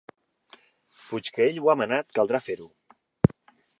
Puix que ell ho ha manat, caldrà fer-ho.